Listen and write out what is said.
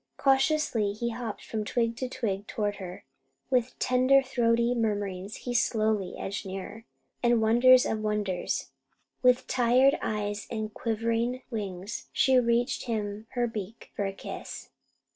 Cautiously he hopped from twig to twig toward her. With tender throaty murmurings he slowly edged nearer, and wonder of wonders! with tired eyes and quivering wings, she reached him her beak for a kiss.